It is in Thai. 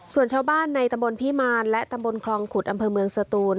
ส่วนชาวบ้านในตำบลพิมารและตำบลคลองขุดอำเภอเมืองสตูน